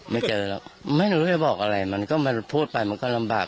ไม่เจอหรอกไม่รู้จะบอกอะไรมันก็มันพูดไปมันก็ลำบาก